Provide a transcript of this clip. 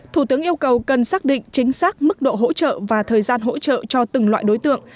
thủ tướng yêu cầu cần xác định chính xác mức độ hỗ trợ và thời gian hỗ trợ cho từng loại đối tượng